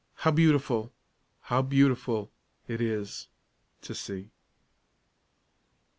how beautiful how beautiful it is to see!"